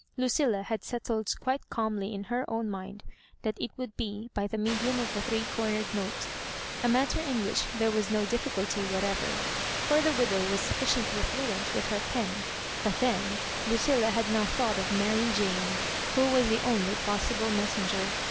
Lucilla bad settled quite calmly in her own mind that it would be by the medium of a three cornered note, a matter in which there was no difficulty whatever, for the widow was sufficiently fluent with her pen ; but then Lucilla had not thought of Mary Jane, who was the only possible messenger.